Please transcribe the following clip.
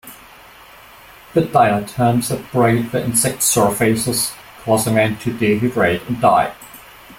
The diatoms abrade the insects' surfaces, causing them to dehydrate and die.